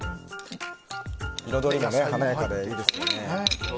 彩りが華やかでいいですよね。